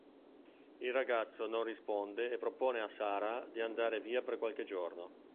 Il ragazzo non risponde e propone a Sarah di andare via per qualche giorno.